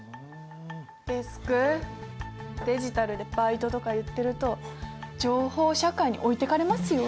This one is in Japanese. デスク「デジタルでバイト」とか言ってると情報社会に置いてかれますよ。